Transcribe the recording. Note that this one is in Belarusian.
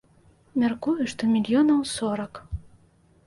Мяркую, што мільёнаў сорак.